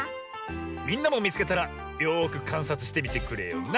みんなもみつけたらよくかんさつしてみてくれよな。